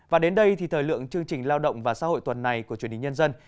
và đến đây thì thời lượng chương trình lao động và xã hội tuần này của truyền hình nhân dân